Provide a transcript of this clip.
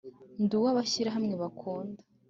Ndi uwo abashyirahamwe bakunda